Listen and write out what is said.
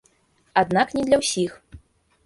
Аднак не для ўсіх.